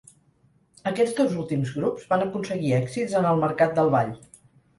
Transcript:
Aquests dos últims grups van aconseguir èxits en el mercat del ball.